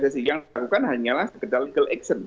pssi yang melakukan hanyalah segeda legal action